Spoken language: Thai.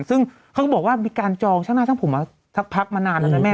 ซึ่งเขาก็บอกว่ามีการจองช่างหน้าช่างผมมาสักพักมานานแล้วนะแม่